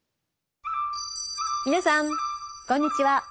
皆さんこんにちは。